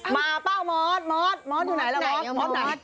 มาป่าวมอสมอสมอสดูไหนแล้วมอส